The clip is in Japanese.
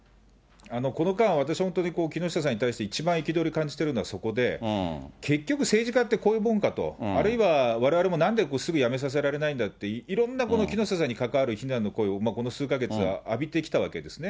この間、私、本当に木下さんに対して一番憤りを感じてるのはそこで、結局、政治家ってこういうもんかと、あるいはわれわれもなんですぐに辞めさせられないんだって、いろんな木下さんに関わる非難の声をこの数か月、浴びてきたわけですね。